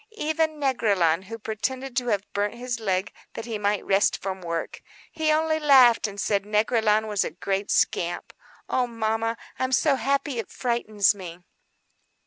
Even Négrillon, who pretended to have burnt his leg that he might rest from work—he only laughed, and said Négrillon was a great scamp. Oh, mamma, I'm so happy; it frightens me."